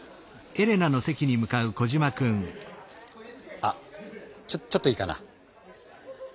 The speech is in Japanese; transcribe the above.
あちょちょっといいかな？